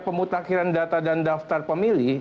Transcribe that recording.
pemutakhiran data dan daftar pemilih